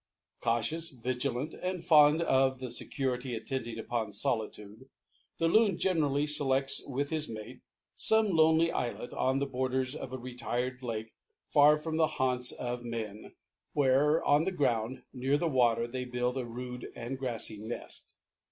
Cautious, vigilant, and fond of the security attending upon solitude, the Loon generally selects, with his mate, some lonely islet, on the borders of a retired lake far from the haunts of men, where, on the ground, near the water, they build a rude and grassy nest.